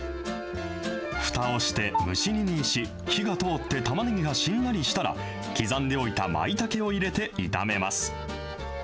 ふたをして蒸し煮にし、火が通ってたまねぎがしんなりしたら、刻んでおいたまいたけを入れて炒めます。